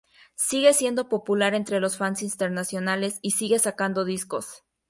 Sigue siendo popular entre los fans internacionales, y sigue sacando discos.